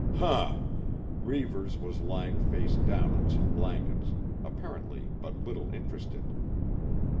"Huh!" Reivers was lying face down on some blankets, apparently but little interested.